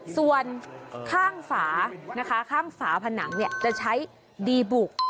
ส่วนข้างฝานะคะข้างฝาผนังจะใช้ดีบุก